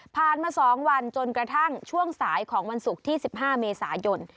มา๒วันจนกระทั่งช่วงสายของวันศุกร์ที่๑๕เมษายน